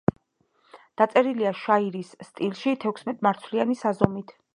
დაწერილია შაირის სტილში, თექვსმეტმარცვლიანი საზომით.